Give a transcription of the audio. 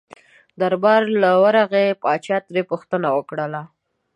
دربار له ورغی پاچا ترې پوښتنه وکړله.